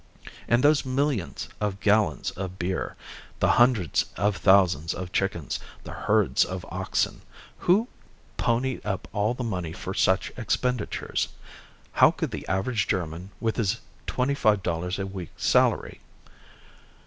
And those millions of gallons of beer, the hundreds of thousands of chickens, the herds of oxen. Who ponied up all the money for such expenditures? How could the average German, with his twenty five dollars a week salary?